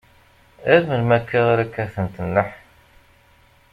Ar melmi akka ara kkatent nneḥ?